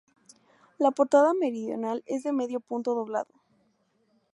La portada meridional es de medio punto doblado.